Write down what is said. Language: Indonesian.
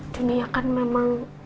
dunia kan memang